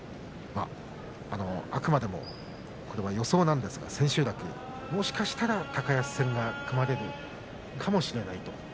あくまでもこれは予想なんですが千秋楽、もしかしたら高安戦が組まれるかもしれないと。